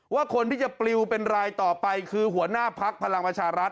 ว่าคนที่จะปลิวเป็นรายต่อไปคือหัวหน้าพักพลังประชารัฐ